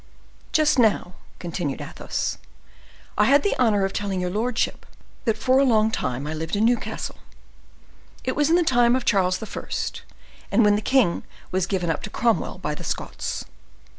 "Just now," continued Athos, "I had the honor of telling your lordship that for a long time I lived in Newcastle; it was in the time of Charles I., and when the king was given up to Cromwell by the Scots."